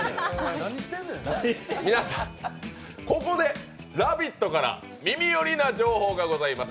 皆さん、ここで「ラヴィット！」から耳よりな情報があります。